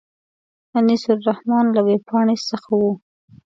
انیس الرحمن له وېبپاڼې څخه و.